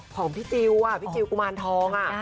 ของพี่จิลพี่จิลกุมารทอง